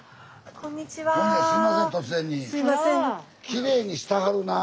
きれいにしてはるなあ。